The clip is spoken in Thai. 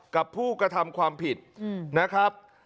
กับผู้กระทำความผิดนะครับ